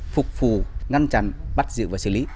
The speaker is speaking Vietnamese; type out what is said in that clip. phục phù ngăn chặn bắt giữ và xử lý